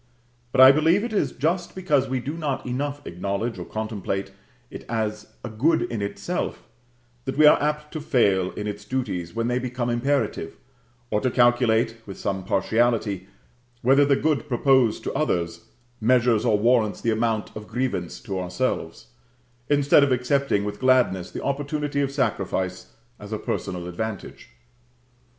But I believe it is just because we do not enough acknowledge or contemplate it as a good in itself, that we are apt to fail in its duties when they become imperative, and to calculate, with some partiality, whether the good proposed to others measures or warrants the amount of grievance to ourselves, instead of accepting with gladness the opportunity of sacrifice as a personal advantage.